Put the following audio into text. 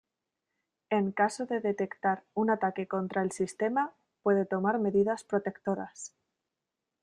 En caso de detectar un ataque contra el sistema, puede tomar medidas protectoras.